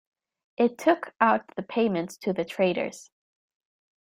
It took out the payments to the traders.